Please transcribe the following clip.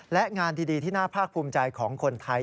และงานดีที่น่าภาคภูมิใจของคนไทย